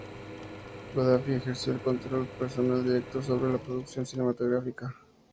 Gaddafi ejerció el control personal directo sobre la producción cinematográfica.